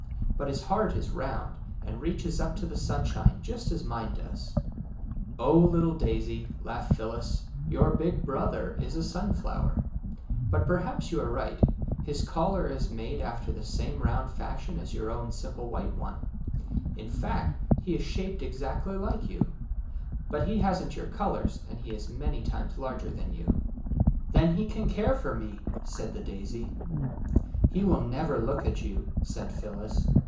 But his heart is round, and reaches up to the sunshine just as mine does." '' Oh, little daisy," laughed Phyllis, '' your ^ big brother ' is a sunflower. But perhaps you are right. His collar is made after the IN SUNSHINY CORNERS 187 same round fasliion as your own simple white one. In fact, he is shaped exactly like you. But he hasn't your colours, and he is many times larger than you." '' Then he can care for me," said the daisy. '' He will never look at you," said Phyllis.